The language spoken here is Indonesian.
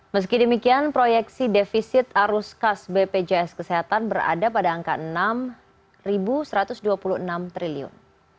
meski demikian proyeksi defisit arus kas bpjs kesehatan berada pada angka enam satu ratus dua puluh enam triliun